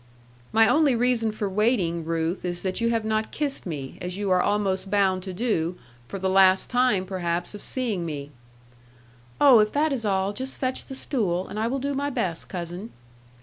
'My only reason for waiting, Ruth, is that you have not kissed me, as you are almost bound to do, for the last time perhaps of seeing me.' 'Oh, if that is all, just fetch the stool; and I will do my best, cousin.'